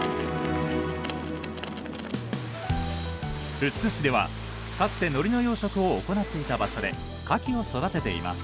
富津市ではかつて海苔の養殖を行っていた場所で牡蠣を育てています。